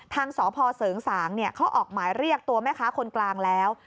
ทางสพเสริงสางเขาออกหมายเรียกตัวแม่ค้าคนกลางแล้ว